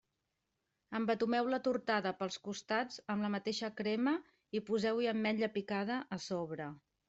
Embetumeu la tortada pels costats amb la mateixa crema i poseu-hi ametlla picada a sobre.